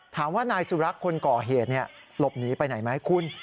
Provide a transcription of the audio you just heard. ถามว่านายสุรักษ์คนก่อเหตุหลบหนีไปไหนไหมคุณ